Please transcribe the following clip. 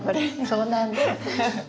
そうなんです。